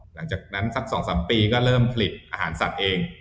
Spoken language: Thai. หลังจากนั้นสัก๒๓ปีก็เริ่มผลิตอาหารสัตว์เอง